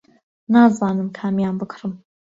نازانم کامیان بکڕم.